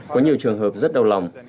có nhiều trường hợp rất đau lòng